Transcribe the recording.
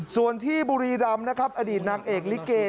ส่วนที่บุรีรำนะครับอดีตนางเอกลิเก